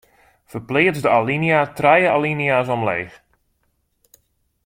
Ferpleats de alinea trije alinea's omleech.